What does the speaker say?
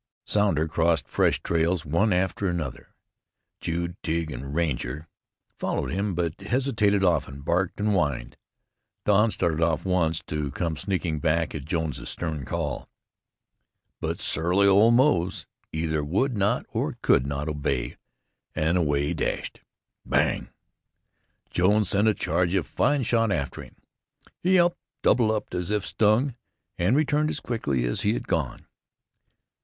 Sounder crossed fresh trails one after another; Jude, Tige and Ranger followed him, but hesitated often, barked and whined; Don started off once, to come sneaking back at Jones's stern call. But surly old Moze either would not or could not obey, and away he dashed. Bang! Jones sent a charge of fine shot after him. He yelped, doubled up as if stung, and returned as quickly as he had gone.